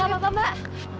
gak apa apa mak